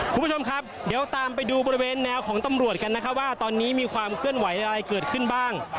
คุณผู้ชมครับเดี๋ยวตามไปดูบริเวณแนวของตำรวจกันนะครับว่าตอนนี้มีความเคลื่อนไหวอะไรเกิดขึ้นบ้าง